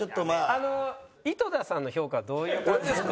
あの井戸田さんの評価はどういう感じなんですか？